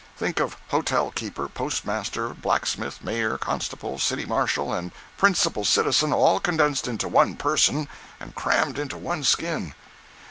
Think of hotel keeper, postmaster, blacksmith, mayor, constable, city marshal and principal citizen all condensed into one person and crammed into one skin.